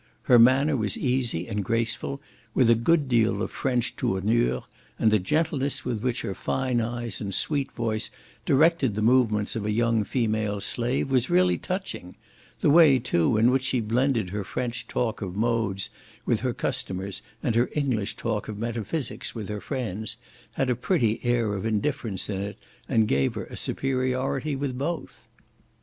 Her manner was easy and graceful, with a good deal of French tournure; and the gentleness with which her fine eyes and sweet voice directed the movements of a young female slave, was really touching: the way, too, in which she blended her French talk of modes with her customers, and her English talk of metaphysics with her friends, had a pretty air of indifference in it, that gave her a superiority with both.